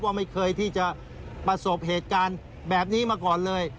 ไม่เคยที่จะประสบเหตุการณ์แบบนี้มาก่อนเลย